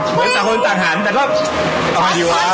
เหมือนสักคนต่างหันแต่ก็เอาไงดีวะ